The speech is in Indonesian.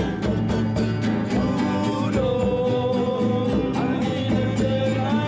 jadi terpaksa kalau pohon ini dibuat berkaitan